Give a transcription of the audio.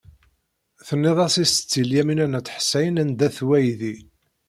Tennid-as i Setti Lyamina n At Ḥsayen anda-t weydi.